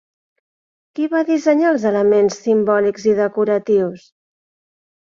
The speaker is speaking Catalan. Qui va dissenyar els elements simbòlics i decoratius?